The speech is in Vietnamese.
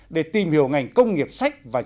để tìm hiểu ngành công nghiệp sách